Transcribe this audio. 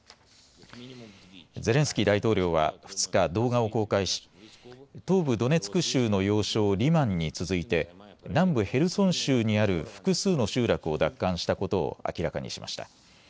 ゼレンスキー大統領は２日、動画を公開し東部ドネツク州の要衝リマンに続いて南部ヘルソン州にある複数の集落を奪還したことを明らかにしました。